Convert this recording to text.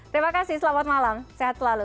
terima kasih selamat malam sehat selalu